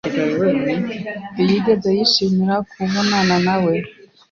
ntiyigeze yishimira kumbonawe.